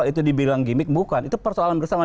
itu dibilang gimmick bukan itu persoalan bersama